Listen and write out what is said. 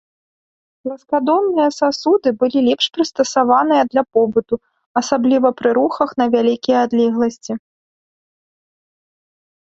Пласкадонныя сасуды былі лепш прыстасаваныя для побыту, асабліва пры рухах на вялікія адлегласці.